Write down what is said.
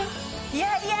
いやいや。